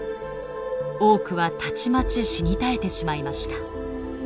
多くはたちまち死に絶えてしまいました。